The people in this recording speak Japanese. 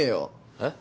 えっ？